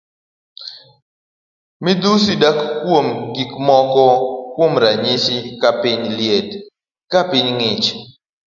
Midhusi dak kuom gik moko kuom ranyisi ka piny liet, ka piny ng'ich.